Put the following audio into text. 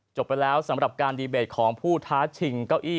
จบไปแล้วสำหรับการดีเบตของผู้ท้าชิงเก้าอี้